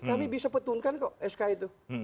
kami bisa petunkan kok sk itu